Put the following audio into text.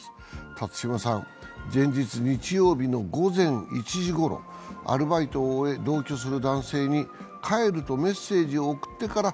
辰島さんは前日、日曜日の午前１時ごろ、同居する男性に、帰るとメッセージを送ってから